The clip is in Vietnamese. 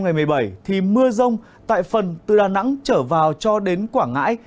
ngày một mươi bảy thì mưa rông tại phần từ đà nẵng trở vào cho đến quảng ngãi